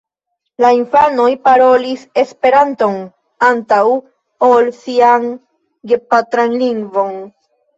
La infanoj parolis Esperanton antaŭ ol sian gepatran lingvon.